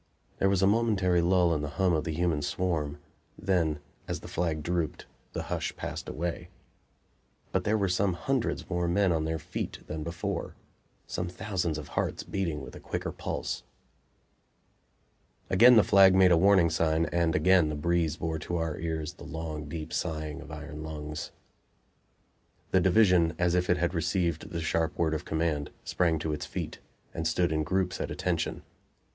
There was a momentary lull in the hum of the human swarm; then, as the flag drooped the hush passed away. But there were some hundreds more men on their feet than before; some thousands of hearts beating with a quicker pulse. Again the flag made a warning sign, and again the breeze bore to our ears the long, deep sighing of iron lungs. The division, as if it had received the sharp word of command, sprang to its feet, and stood in groups at "attention."